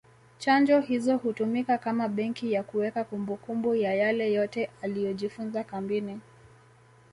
Chanjo hizo hutumika kama benki ya kuweka kumbukumbu ya yale yote aliyojifunza kambini